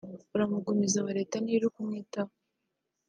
uramugumiza aho Leta niyo iri kumwitaho